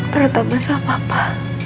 pertama sama papa